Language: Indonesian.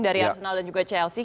dari arsenal dan juga chelsea